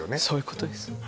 そういうことです